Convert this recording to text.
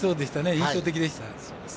印象的でした。